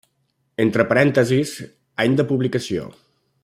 Entre parèntesis any de publicació.